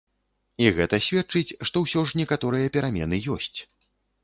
І гэта сведчыць, што ўсё ж некаторыя перамены ёсць.